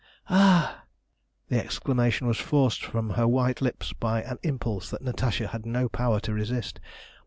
"Ah!" The exclamation was forced from her white lips by an impulse that Natasha had no power to resist.